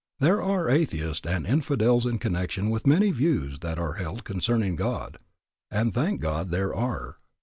There are atheists and infidels in connection with many views that are held concerning God, and thank God there are.